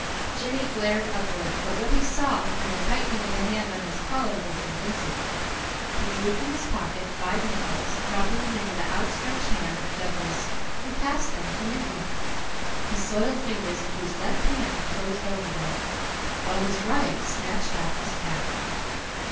Jimmy glared upward, but what he saw and the tightening of the hand on his collar were convincing. He drew from his pocket five nickels, dropping them into the outstretched hand of Douglas, who passed them to Mickey, the soiled fingers of whose left hand closed over them, while his right snatched off his cap.